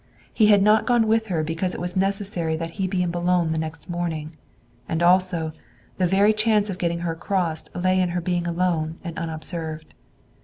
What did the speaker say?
He had not gone with her because it was necessary that he be in Boulogne the next morning. And also, the very chance of getting her across lay in her being alone and unobserved.